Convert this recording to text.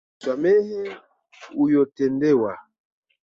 Swamehe uyotendewa.